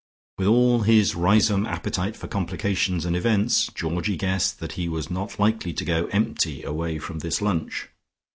With all his Riseholme appetite for complications and events Georgie guessed that he was not likely to go empty away from this lunch.